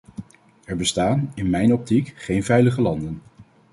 Er bestaan, in mijn optiek, geen veilige landen.